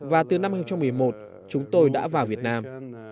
và từ năm hai nghìn một mươi một chúng tôi đã vào việt nam